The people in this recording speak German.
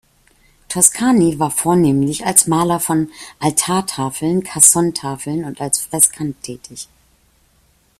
Toscani war vornehmlich als Maler von Altartafeln, Cassone-Tafeln und als Freskant tätig.